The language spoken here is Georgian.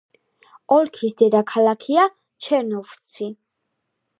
ოლქის დედაქალაქია ჩერნოვცი.